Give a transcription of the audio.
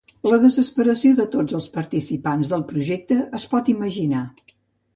La desesperació de tots els participants del projecte es pot imaginar.